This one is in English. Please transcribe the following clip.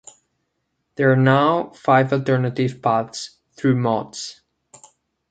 There are now five alternative paths through Mods.